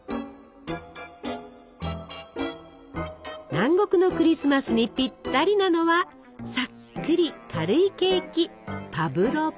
南国のクリスマスにピッタリなのはさっくり軽いケーキパブロバ。